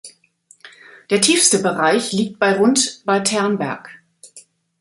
Der tiefste Bereich liegt bei rund bei Ternberg.